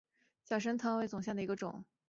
小省藤为棕榈科省藤属下的一个种。